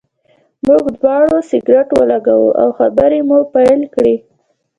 موږ دواړو سګرټ ولګاوه او خبرې مو پیل کړې.